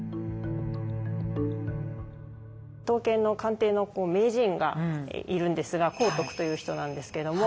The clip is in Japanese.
刀剣の鑑定の名人がいるんですが光徳という人なんですけれども。